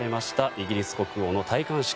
イギリス国王の戴冠式。